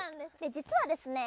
実はですね